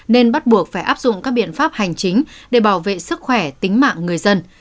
nên bắt buộc phải áp dụng các biện pháp hành chính để bảo vệ sức khỏe tính mạng người dân